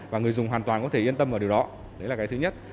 và người dùng hoàn toàn có thể yên tâm vào điều đó đấy là cái thứ nhất